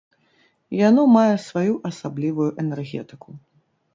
Яно мае сваю асаблівую энергетыку.